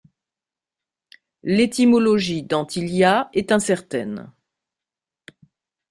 L'étymologie d'Antilia est incertaine.